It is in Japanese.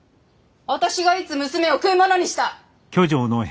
私がいつ娘を食い物にした！？